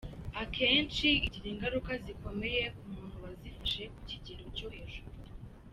Akenshi igira ingaruka zikomeye ku muntu wazifashe ku kigero cyo hejuru.